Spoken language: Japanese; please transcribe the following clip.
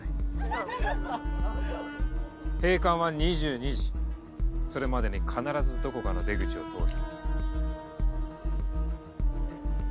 アハハ閉館は２２時それまでに必ずどこかの出口を通る。